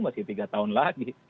masih tiga tahun lagi